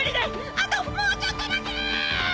あともうちょっとだけ！